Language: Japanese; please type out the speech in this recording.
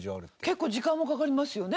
結構時間もかかりますよね